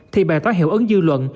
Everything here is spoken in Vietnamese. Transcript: thì bài tóa hiệu ứng dư luận